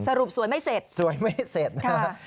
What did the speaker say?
สรุปสวยไม่เสร็จค่ะสวยไม่เสร็จฮ่า